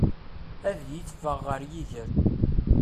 Ad iyi-teffeɣ ɣer yiger.